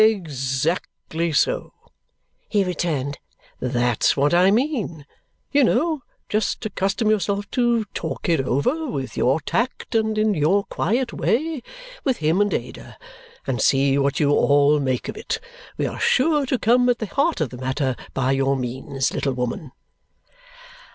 "Exactly so," he returned. "That's what I mean! You know, just accustom yourself to talk it over, with your tact and in your quiet way, with him and Ada, and see what you all make of it. We are sure to come at the heart of the matter by your means, little woman."